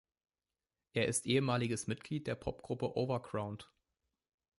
Er ist ehemaliges Mitglied der Popgruppe Overground.